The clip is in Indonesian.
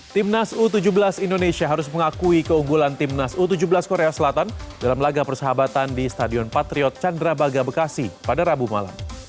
timnas u tujuh belas indonesia harus mengakui keunggulan timnas u tujuh belas korea selatan dalam laga persahabatan di stadion patriot candrabaga bekasi pada rabu malam